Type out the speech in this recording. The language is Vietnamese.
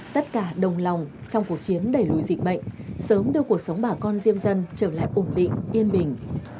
tất cả đồng lòng trong cuộc chiến đẩy lùi dịch bệnh sớm đưa cuộc sống bà con diêm dân trở lại ổn định yên bình